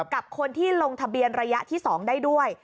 กับคนที่ลงทะเบียนระยะที่๒ได้ด้วย